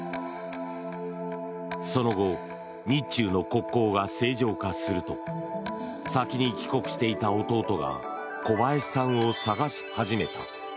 その後、日中の国交が正常化すると先に帰国していた弟が小林さんを捜し始めた。